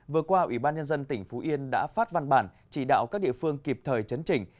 vừa qua ủy ban nhân dân tỉnh phú yên đã phát văn bản chỉ đạo các địa phương kịp thời chấn chỉnh